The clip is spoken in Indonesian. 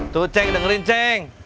tuh ceng dengerin ceng